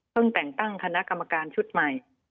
แต่งตั้งคณะกรรมการชุดใหม่